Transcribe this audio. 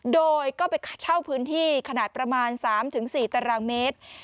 โดยก็ไปเช่าพื้นที่ขนาดประมาณ๓๔ตารางเมตร